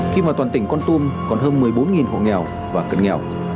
khi mà toàn tỉnh con tôm còn hơn một mươi bốn họ nghèo và cân nghèo